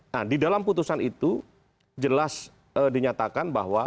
nah di dalam putusan itu jelas dinyatakan bahwa